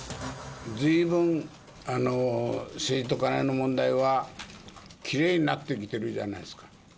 ずいぶん政治とカネの問題は、きれいになってきてるじゃないですか。